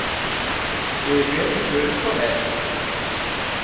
O evento de hoje começa!